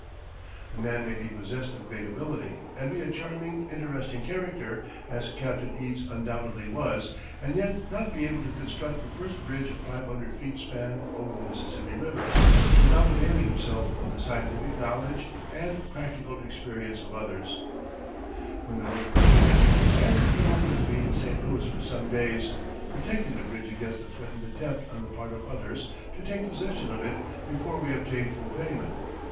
A man may be possessed of great ability, and be a charming, interesting character, as Captain Eads undoubtedly was, and yet not be able to construct the first bridge of five hundred feet span over the Mississippi River, without availing himself of the scientific knowledge and practical experience of others. [Footnote 27: The span was 515 feet, and at that time considered the finest metal arch in the world.] When the work was finished, I had the Colonel with me in St. Louis for some days protecting the bridge against a threatened attempt on the part of others to take possession of it before we obtained full payment.